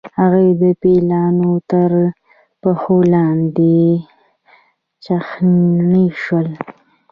هغوی د پیلانو تر پښو لاندې چخڼي شول.